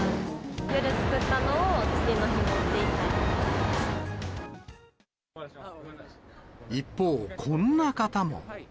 夜作ったのを、一方、こんな方も。